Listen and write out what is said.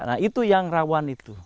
nah itu yang rawan itu